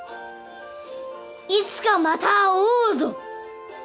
いつかまた会おうぞ！